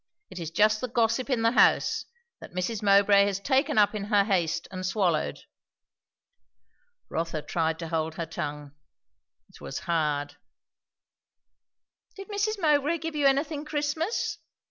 It is just the gossip in the house, that Mrs. Mowbray has taken up in her haste and swallowed." Rotha tried to hold her tongue. It was hard. "Did Mrs. Mowbray give you anything Christmas?"